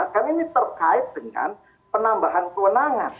karena ini terkait dengan penambahan kewenangan